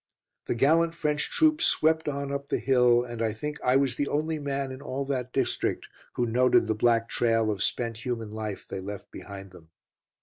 The gallant French troops swept on up the hill, and I think I was the only man in all that district who noted the black trail of spent human life they left behind them.